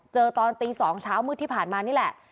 ตอนตี๒เช้ามืดที่ผ่านมานี่แหละ